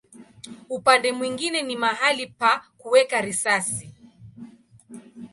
Upande mwingine ni mahali pa kuweka risasi.